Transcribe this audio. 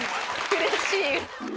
うれしい！